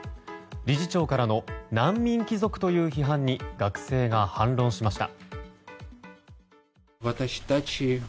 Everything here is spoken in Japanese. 理事長からの難民貴族という批判に学生が反論しました。